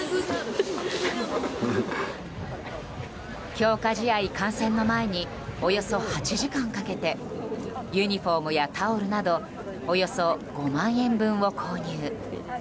強化試合観戦の前におよそ８時間かけてユニホームやタオルなどおよそ５万円分を購入。